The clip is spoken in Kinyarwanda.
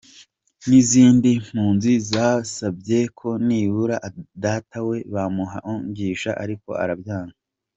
N’izindi mpunzi zasabye ko nibura data we bamuhungisha ariko arabyanga.